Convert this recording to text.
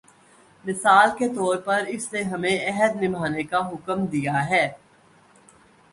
مثال کے طور پر اس نے ہمیں عہد نبھانے کا حکم دیا ہے۔